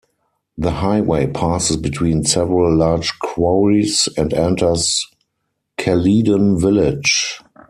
The highway passes between several large quarries and enters Caledon Village.